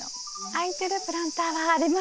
空いてるプランターはありますね。